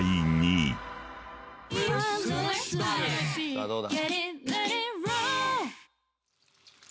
さあどうだ？